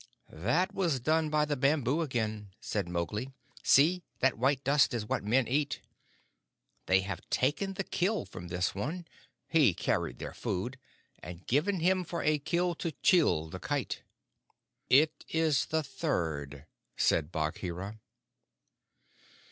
"That was done by the bamboo again," said Mowgli. "See! that white dust is what men eat. They have taken the kill from this one, he carried their food, and given him for a kill to Chil, the Kite." "It is the third," said Bagheera.